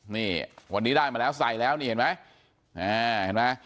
นี่วันนี้ได้มาแล้วใส่แล้วนี่เห็นไหม